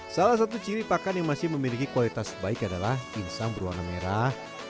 salah satu ciri pakan yang masih memiliki kualitas baik adalah insang berwarna merah